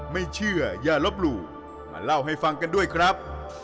ไม่เชื่ออย่าลบหลู่มาเล่าให้ฟังกันด้วยครับ